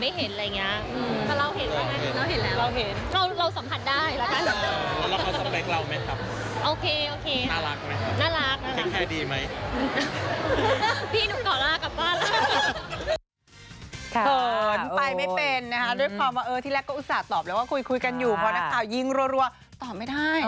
สนิทในระดับไหนครับสนิทในระดับหนึ่งครับ